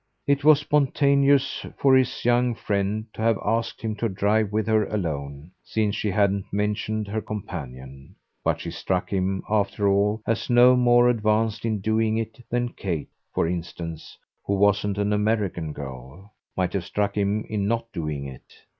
It was spontaneous for his young friend to have asked him to drive with her alone since she hadn't mentioned her companion; but she struck him after all as no more advanced in doing it than Kate, for instance, who wasn't an American girl, might have struck him in not doing it.